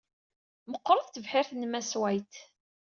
Meɣɣret tebḥirt n Mass White.